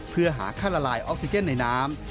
เพื่อหาค่าละลายออกซิเจนในน้ำ